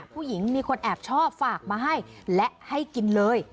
ผู้หญิงมีคนแอบชอบฝากมาให้และให้กินเลย